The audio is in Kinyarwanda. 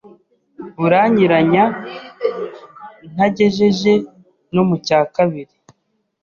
Buranyiranya ntagejeje no mucyakabiri